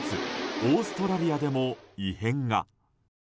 オーストラリアでも異変が。